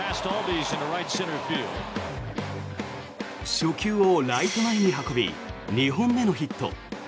初球をライト前に運び２本目のヒット。